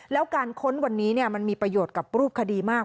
แล้วการค้นวันนี้มันมีประโยชน์กับรูปคดีมาก